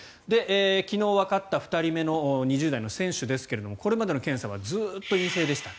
昨日わかった２人目の２０代の選手ですがこれまでの検査はずっと陰性でした。